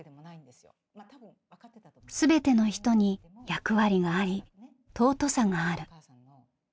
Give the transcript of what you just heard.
全ての人に役割があり尊さがある。